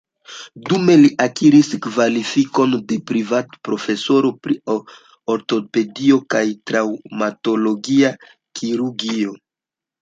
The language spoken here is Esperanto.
Dume li akiris kvalifikon de privatprofesoro pri ortopedio kaj traŭmatologia kirurgio.